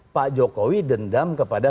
pak jokowi dendam kepada